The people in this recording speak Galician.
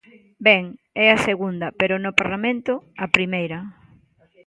Ben, é a segunda, pero no Parlamento, a primeira.